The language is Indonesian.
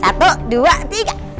satu dua tiga